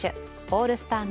オールスター